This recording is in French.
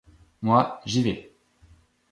Moi, j’y vais.